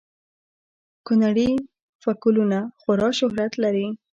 کونړي فکولونه خورا شهرت لري